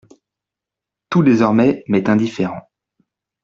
Tout désormais m'est indifférent.